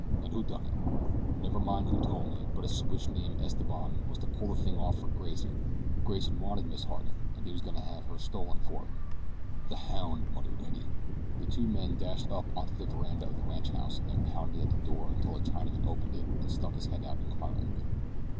And who done it?" "Never mind who told me; but a siwash named Esteban was to pull the thing off for Grayson. Grayson wanted Miss Harding an' he was goin' to have her stolen for him." "The hound!" muttered Eddie. The two men dashed up onto the veranda of the ranchhouse and pounded at the door until a Chinaman opened it and stuck out his head, inquiringly.